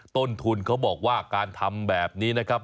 ต้นทุนเขาบอกว่าการทำแบบนี้นะครับ